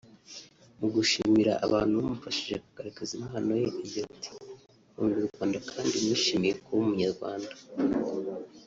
Mu gushimira abantu bamufashije kugaragaza impano ye agira ati “Nkunda u Rwanda kandi nishimiye kuba Umunyarwanda